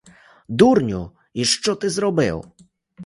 Дурню, і що ти зробив?